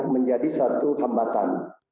menjadi satu hambatan